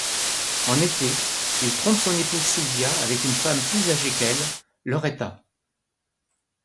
En effet, il trompe son épouse Silvia avec une femme plus âgée qu'elle, Lauretta.